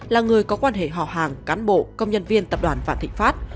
là người có quan hệ họ hàng cán bộ công nhân viên tập đoàn vạn thị pháp